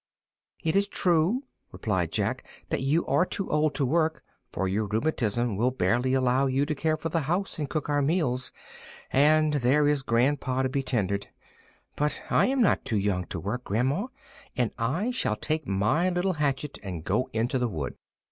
"It is true," replied Jack, "that you are too old to work, for your rheumatism will barely allow you to care for the house and cook our meals; and there is grandpa to be tended. But I am not too young to work, grandma, and I shall take my little hatchet and go into the wood.